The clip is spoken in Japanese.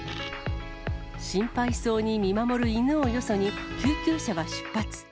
心配そうに見守る犬をよそに、救急車は出発。